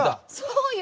そうよ。